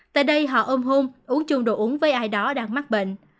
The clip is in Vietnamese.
tại đây họ ôm hôn uống chung đồ uống với ai đó đang mắc bệnh